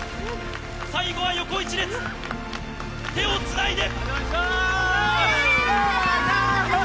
最後は横一列、手をつないで。